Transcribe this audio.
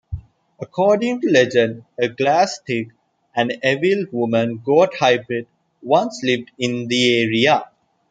According to legend a glaistig, an evil woman-goat hybrid, once lived in the area.